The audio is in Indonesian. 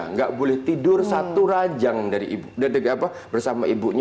nggak boleh tidur satu rajang bersama ibunya